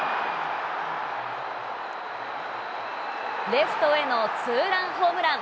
レフトへのツーランホームラン。